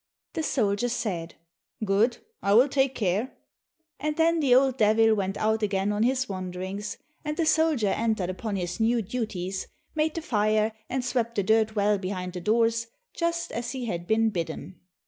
The soldier said, "Good, I will take care." And then the old Devil went out again on his wanderings, and the soldier entered upon his new duties, made the fire, and swept the dirt well behind the doors, just as he had been bidden.